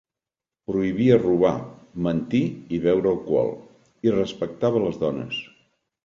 Prohibia robar, mentir i beure alcohol, i respectava les dones.